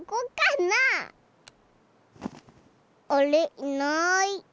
いない。